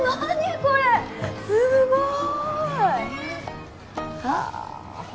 これすごいねえ